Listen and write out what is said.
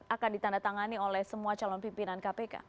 akan ditandatangani oleh semua calon pimpinan kpk